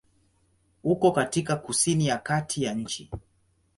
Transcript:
Uko katika kusini ya kati ya nchi.